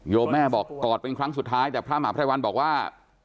แม่บอกกอดเป็นครั้งสุดท้ายแต่พระมหาภัยวันบอกว่า